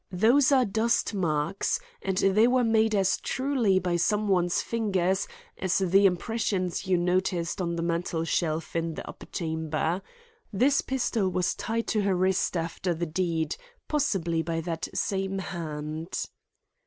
"Those are dust marks, and they were made as truly by some one's fingers, as the impressions you noted on the mantel shelf in the upper chamber. This pistol was tied to her wrist after the deed; possibly by that same hand."